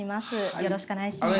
よろしくお願いします。